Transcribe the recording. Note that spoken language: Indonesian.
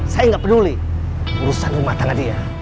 saya tidak peduli urusan rumah tangan dia